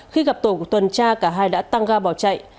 khi gặp tổ của tuần tra cả hai đã tăng ga bỏ chạy